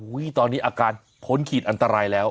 ตอนนี้อาการพ้นขีดอันตรายแล้ว